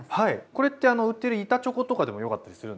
これってあの売ってる板チョコとかでもよかったりするんですか？